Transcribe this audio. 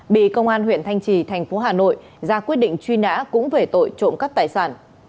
bị công an huyện thanh trì tp hà nội ra quyết định truy nã cũng về tội trộm cắt tài sản